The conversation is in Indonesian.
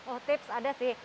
oh tips ada sih